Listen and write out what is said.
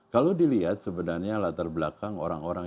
kalau dilihat sebenarnya latar belakang orang orang